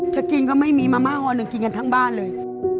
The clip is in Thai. จะกินก็ไม่มีมาม่าหอหนึ่งกินกันทั้งบ้านเลย